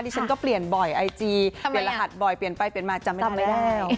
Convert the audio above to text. ฉันก็เปลี่ยนบ่อยไอจีเปลี่ยนรหัสบ่อยเปลี่ยนไปเปลี่ยนมาจำไม่ได้